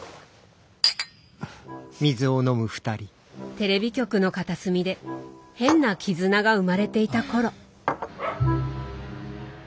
テレビ局の片隅で変な絆が生まれていた頃。